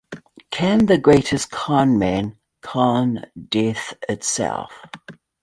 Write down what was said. Can the greatest conman con death itself?